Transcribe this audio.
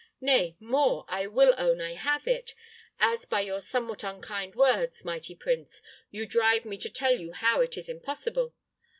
Nay, more, I will own I have it, as by your somewhat unkind words, mighty prince, you drive me to tell you how it is impossible.